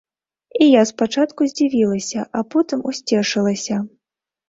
І я спачатку здзівілася, а потым усцешылася.